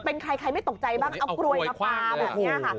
เป็นใครใครไม่ตกใจบ้างเอากลวยมาปลาแบบนี้ค่ะ